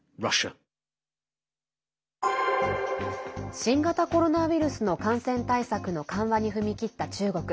新型コロナウイルスの感染対策の緩和に踏み切った中国。